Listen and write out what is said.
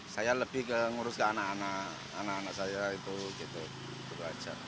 saya lebih menguruskan anak anak anak anak saya itu gitu saja